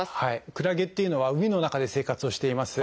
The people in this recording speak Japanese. クラゲっていうのは海の中で生活をしています。